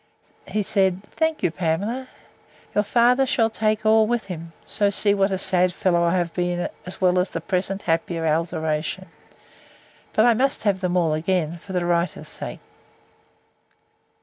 He said, Thank you, Pamela. Your father shall take all with him, so see what a sad fellow I have been, as well as the present happier alteration. But I must have them all again, for the writer's sake.